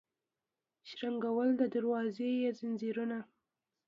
شرنګول د دروازو یې ځنځیرونه